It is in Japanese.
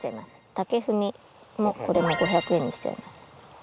竹踏みもこれも５００円にしちゃいます。